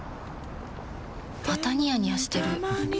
またニヤニヤしてるふふ。